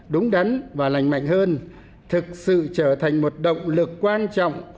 đúng đắn và lành mạnh hơn thực sự trở thành một động lực quan trọng